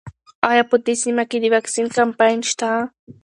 ایا په دې سیمه کې د واکسین کمپاین شته؟